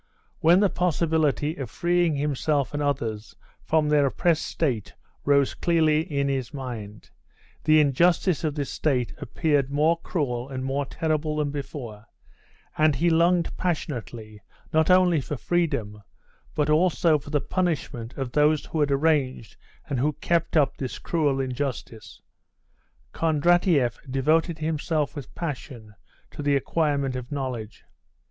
When the possibility of freeing himself and others from their oppressed state rose clearly in his mind, the injustice of this state appeared more cruel and more terrible than before, and he longed passionately not only for freedom, but also for the punishment of those who had arranged and who kept up this cruel injustice. Kondratieff devoted himself with passion to the acquirement of knowledge.